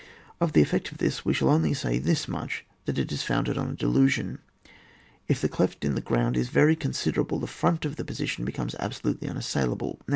Of the effect of this we shall only say this much, that it is foimded on a delusion.— If the deft in the ground is very consider able, the frt>nt of the position becomes absolutely unassailable.